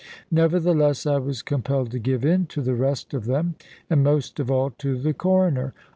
Nevertheless I was compelled to give in to the rest of them, and most of all to the Coroner.